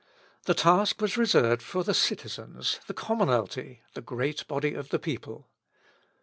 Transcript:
The task was reserved for the citizens, the commonalty, the great body of the people.